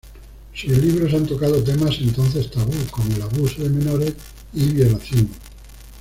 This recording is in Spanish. Sus libros han tocado temas entonces tabú, como el abuso de menores y violación.